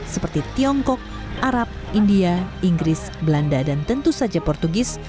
seperti tiongkok arab india inggris belanda dan tentu saja portugis